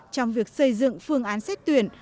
trong việc xây dựng phương án xét tuyển